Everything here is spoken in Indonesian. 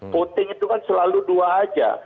voting itu kan selalu dua aja